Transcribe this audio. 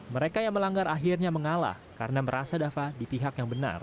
mereka yang melanggar akhirnya mengalah karena merasa dafa di pihak yang benar